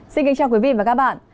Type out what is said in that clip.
xin kính chào quý vị và các bạn